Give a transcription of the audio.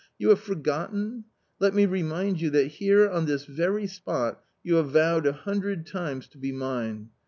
" You have forgotten ! let me remind you that here on this very spot you have vowed a hundred times to be mine.